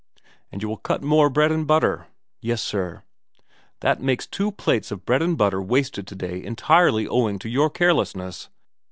' And you will cut more bread and butter.' ' Yes sir.' ' That makes two plates of bread and butter wasted to day entirely owing to your carelessness.